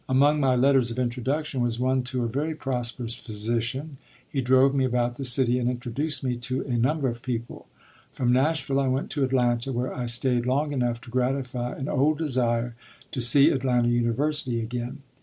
Among my letters of introduction was one to a very prosperous physician. He drove me about the city and introduced me to a number of people. From Nashville I went to Atlanta, where I stayed long enough to gratify an old desire to see Atlanta University again.